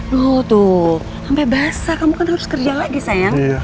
tuh sampai basah kamu kan harus kerja lagi sayang